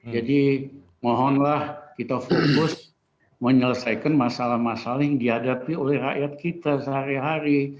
jadi mohonlah kita fokus menyelesaikan masalah masalah yang dihadapi oleh rakyat kita sehari hari